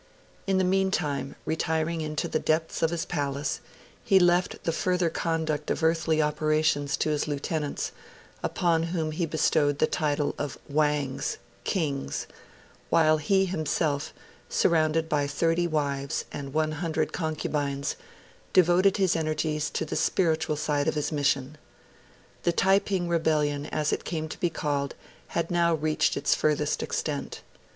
In the meantime, retiring into the depths of his palace, he left the further conduct of earthly operations to his lieutenants, upon whom he bestowed the title of 'Wangs' (kings), while he himself, surrounded by thirty wives and one hundred concubines, devoted his energies to the spiritual side of his mission. The Taiping Rebellion, as it came to be called, had now reached its furthest extent.